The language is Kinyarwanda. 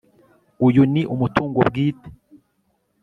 Uyu ni umutungo bwite